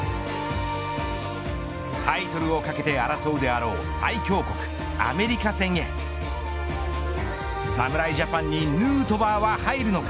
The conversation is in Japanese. タイトルを懸けて争うであろう最強国、アメリカ戦へ侍ジャパンにヌートバーは入るのか。